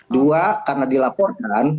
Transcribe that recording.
dua karena dilaporkan